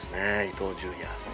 伊東純也。